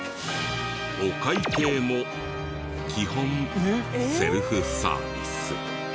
お会計も基本セルフサービス。